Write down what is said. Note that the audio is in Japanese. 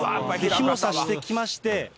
日も差してきまして。